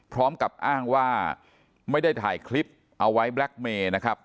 พร้อมกับอ้างว่าไม่ได้ถ่ายคลิปเอาไว้แบล็คเมย์นะครับ